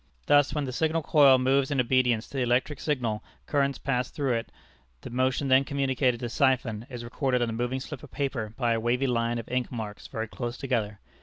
Thus when the signal coil moves in obedience to the electric signal currents passed through it, the motion then communicated to the siphon, is recorded on the moving slip of paper by a wavy line of ink marks very close together.